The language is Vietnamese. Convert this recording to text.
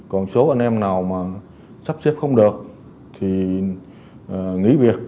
còn số anh em nào mà sắp xếp không được thì nghỉ việc